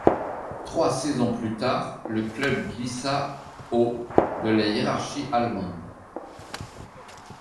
Trois saisons plus tard, le club glissa au de la hiérarchie allemande.